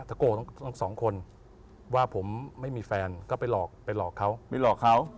เล่นสองคนว่าผมไม่มีแฟนก็ไปหลอกเขา